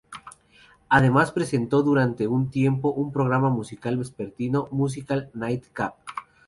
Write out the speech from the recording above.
Además presentó durante un tiempo un programa musical vespertino, "Musical Nite-cap".